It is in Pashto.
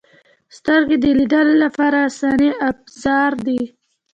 • سترګې د لیدلو لپاره اساسي ابزار دي.